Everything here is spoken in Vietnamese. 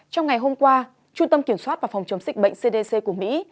trong ngày hôm qua trung tâm kiểm soát và phòng chống dịch bệnh cdc của mỹ